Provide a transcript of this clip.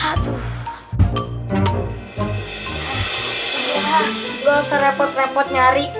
nggak usah repot repot nyari